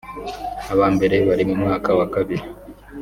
aba mbere bari mu mwaka wa kabiri